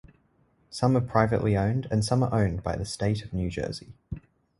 Some are privately owned and some are owned by the state of New Jersey.